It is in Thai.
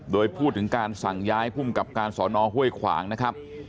โดยพูดถึงการสั่งย้ายภูมิกับการสอนอห้วยขวางนะครับ